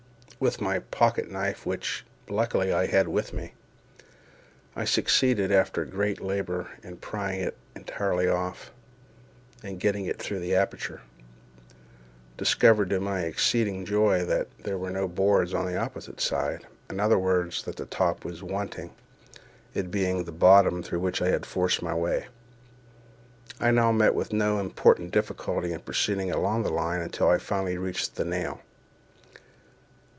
With my pocket knife, which, luckily, I had with me, I succeeded, after great labour, in prying it entirely off; and getting it through the aperture, discovered, to my exceeding joy, that there were no boards on the opposite side—in other words, that the top was wanting, it being the bottom through which I had forced my way. I now met with no important difficulty in proceeding along the line until I finally reached the nail.